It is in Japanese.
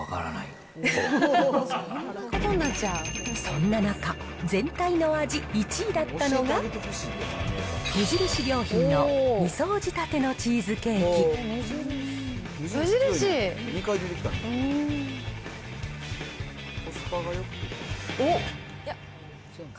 そんな中、全体の味１位だったのが、無印良品の２層仕立てのチーズケーキ。おっ！